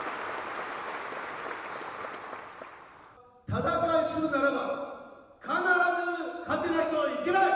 戦いをするならば、必ず勝たないといけない。